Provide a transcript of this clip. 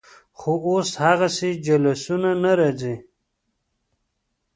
خو اوس هغسې جلوسونه نه راځي.